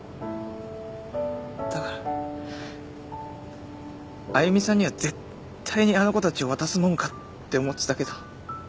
だからあゆみさんには絶対にあの子たちを渡すもんかって思ってたけど。